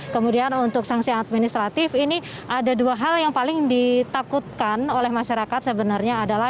kemudian untuk sanksi administratif ini ada dua hal yang paling ditakutkan oleh masyarakat sebenarnya adalah